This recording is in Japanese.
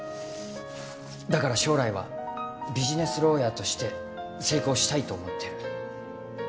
だから将来はビジネスローヤーとして成功したいと思ってる。